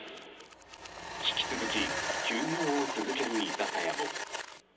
引き続き休業を続ける居酒屋も。